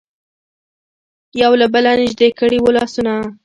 یو له بله نژدې کړي وو لاسونه.